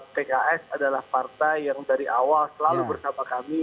pks adalah partai yang dari awal selalu bersama kami